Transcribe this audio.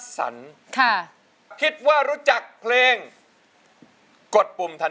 กินข้าวหรือยังค่ะ